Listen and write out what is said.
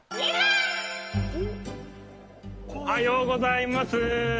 おはようございます。